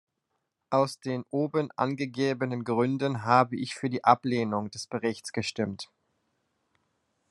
Aus den oben angegebenen Gründen habe ich für die Ablehnung des Berichts gestimmt.